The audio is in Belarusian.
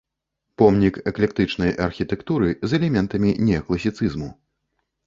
Помнік эклектычнай архітэктуры з элементамі неакласіцызму.